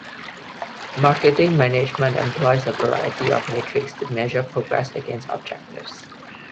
Marketing management employs a variety of metrics to measure progress against objectives.